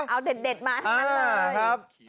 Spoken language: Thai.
อาวุธเด็ดมาทั้งหน้า